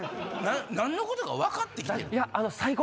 何のことか分かって来てる？